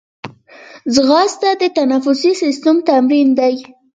ځغاسته د تنفسي سیستم تمرین دی